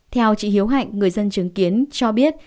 theo chị hiếu hạnh người dân chứng kiến cho biết